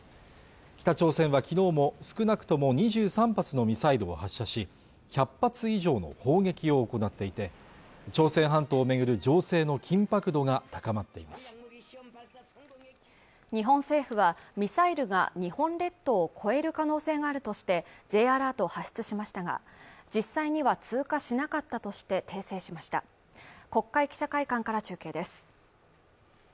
北朝鮮はきのうも少なくとも２３発のミサイルを発射し１００発以上の砲撃を行っていて朝鮮半島をめぐる情勢の緊迫度が高まっています日本政府はミサイルが日本列島を越える可能性があるとしてＪアラートを発出しましたが実際には通過しなかったとして訂正しました国会記者会館から中継です